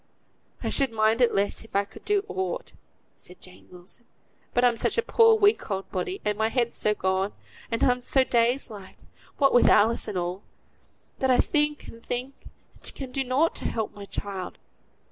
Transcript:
"I should mind it less if I could do aught," said Jane Wilson; "but I'm such a poor weak old body, and my head's so gone, and I'm so dazed like, what with Alice and all, that I think and think, and can do nought to help my child.